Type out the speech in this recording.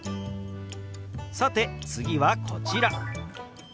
さて次はこちら。